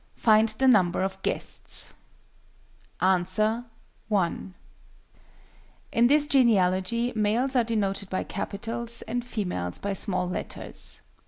Find the number of guests." Answer. "One." In this genealogy, males are denoted by capitals, and females by small letters.